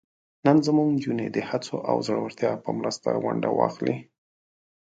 نن زموږ نجونې د هڅو او زړورتیا په مرسته ونډه واخلي.